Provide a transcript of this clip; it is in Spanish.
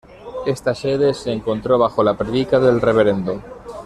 Esta sede se encontró bajo la predica del Rev.